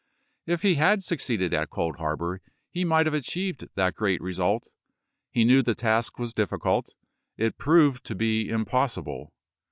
If he had succeeded at Cold Harbor he might have achieved that great result. He knew the task was difficult — it proved to be impossible.